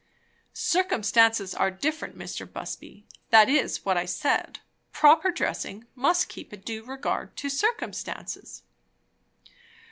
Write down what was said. "Circumstances are different, Mr. Busby. That is what I said. Proper dressing must keep a due regard to circumstances."